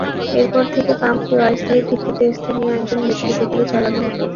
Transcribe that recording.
এরপর থেকে পাম্পটি অস্থায়ী ভিত্তিতে স্থানীয় একজন ব্যক্তিকে দিয়ে চালানো হতো।